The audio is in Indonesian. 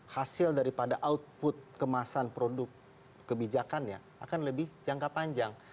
hasil daripada output kemasan produk kebijakannya akan lebih jangka panjang